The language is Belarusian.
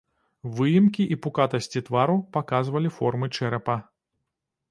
Выемкі і пукатасці твару паказвалі формы чэрапа.